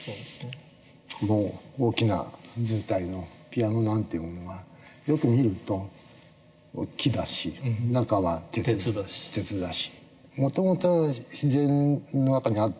この大きなずうたいのピアノなんていうものはよく見ると木だし中は鉄だし。